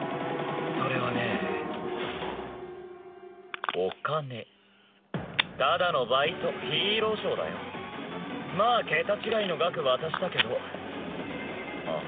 それはねえお金ただのバイトヒーローショーだよまあ桁違いの額渡したけどあっ？